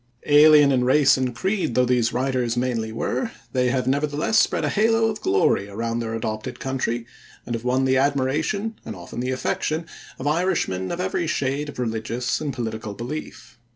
Alien in race and creed though these writers mainly were, they have nevertheless spread a halo of glory around their adopted country, and have won the admiration, and often the affection, of Irishmen of every shade of religious and political belief.